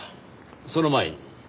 その前に。